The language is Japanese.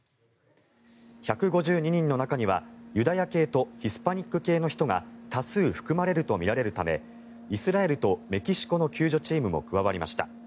１５２人の中にはユダヤ系とヒスパニック系の人が多数、含まれるとみられるためイスラエルとメキシコの救助チームも加わりました。